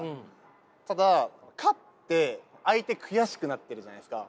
ただ勝って相手悔しくなってるじゃないですか。